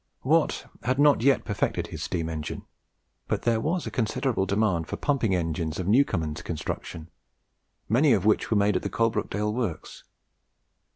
Watt had not yet perfected his steam engine; but there was a considerable demand for pumping engines of Newcomen's construction, many of which were made at the Coalbrookdale Works.